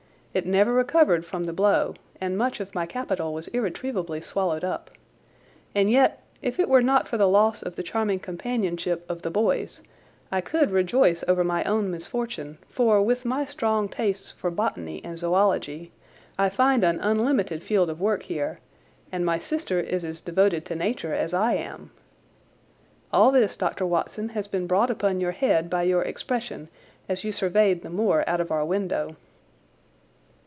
It never recovered from the blow, and much of my capital was irretrievably swallowed up. And yet, if it were not for the loss of the charming companionship of the boys, I could rejoice over my own misfortune, for, with my strong tastes for botany and zoology, I find an unlimited field of work here, and my sister is as devoted to Nature as I am. All this, Dr. Watson, has been brought upon your head by your expression as you surveyed the moor out of our window."